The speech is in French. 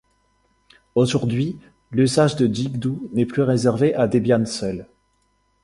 Aujourd'hui l'usage de jigdo n'est plus réservé à Debian seul.